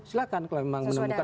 silahkan kalau memang menemukan